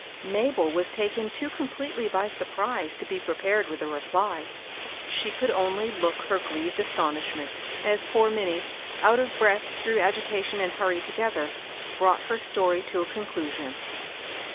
Mabel was taken too completely by surprise to be prepared with a reply. She could only look hier grieved astonishment, as poor Minnie, out of breath through agitation and hurry together, brought her story to a conclusion.